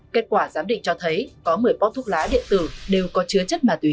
kết quả giám định cho thấy có một mươi bóp thuốc lá điện tử đều có chứa chất ma túy